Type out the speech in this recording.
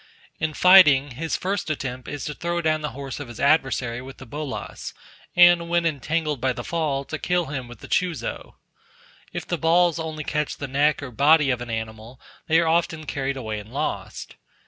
In fighting, his first attempt is to throw down the horse of his adversary with the bolas, and when entangled by the fall to kill him with the chuzo. If the balls only catch the neck or body of an animal, they are often carried away and lost.